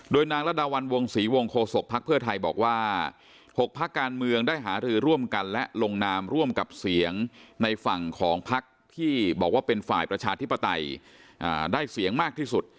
นางระดาวันวงศรีวงโคศกภักดิ์เพื่อไทยบอกว่า๖พักการเมืองได้หารือร่วมกันและลงนามร่วมกับเสียงในฝั่งของพักที่บอกว่าเป็นฝ่ายประชาธิปไตยได้เสียงมากที่สุด